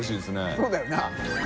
そうだよな。